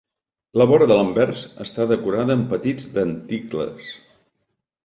La vora de l'anvers està decorada amb petits denticles.